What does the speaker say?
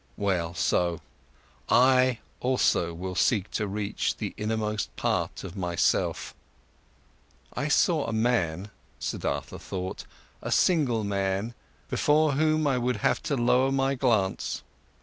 Well so, I also will seek to reach the innermost part of my self. I saw a man, Siddhartha thought, a single man, before whom I would have to lower my glance.